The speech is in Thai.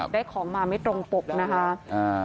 ได้ของมาไม่ตรงปกนะคะ